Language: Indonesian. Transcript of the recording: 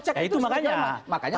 ya itu makanya